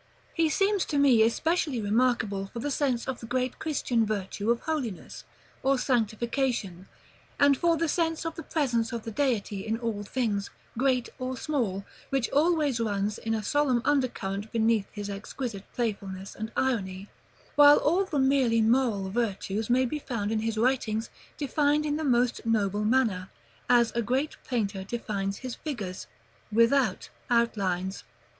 He seems to me especially remarkable for the sense of the great Christian virtue of Holiness, or sanctification; and for the sense of the presence of the Deity in all things, great or small, which always runs in a solemn undercurrent beneath his exquisite playfulness and irony; while all the merely moral virtues may be found in his writings defined in the most noble manner, as a great painter defines his figures, without outlines.